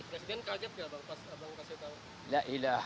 presiden kaget ya baru kasih tahu